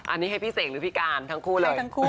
อันนี้ให้พี่เสกหรือพี่การทั้งคู่เลย